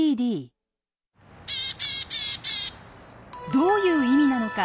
どういう意味なのか？